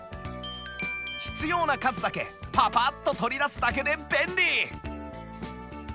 必要な数だけパパッと取り出すだけで便利！